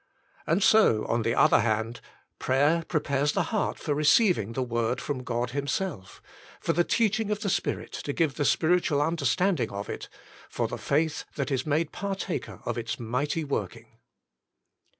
And so, on the other hand, prayer prepares the , heart for receiving the Word from God Himself, for the teaching of the Spirit to give the spiritual understanding of it, for the faith that is made partaker of its mighty working.